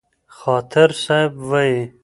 خاطر صاحب وايي: